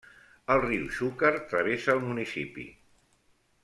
El riu Xúquer travessa el municipi.